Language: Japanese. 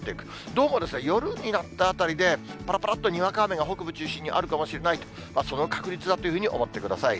どうも夜になったあたりで、ぱらぱらっとにわか雨が北部中心にあるかもしれないと、その確率だというふうに思ってください。